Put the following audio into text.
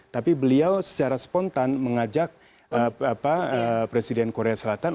tapi beliau secara spontan mengajak presiden korea selatan